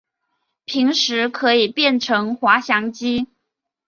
平时可以变成滑翔机。